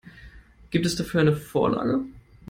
Gibt es dafür eine Vorlage?